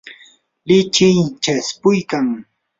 lichiy chaspuykan.